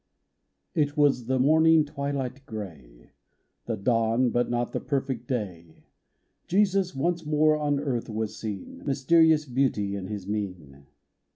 IT was the morning twilight gray, — The dawn, but not the perfect day ; Jesus once more on earth was seen, Mysterious beauty in his mien.